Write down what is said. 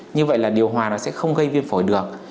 như vậy là điều hòa nó sẽ không gây viêm phổi được